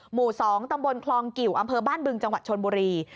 หมู่๒ตำบลคลองกิวอำเภอบ้านบึงจังหวัดชนบุรี